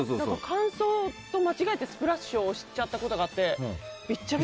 乾燥と間違えてスプラッシュを押しちゃったことがあってびっちゃび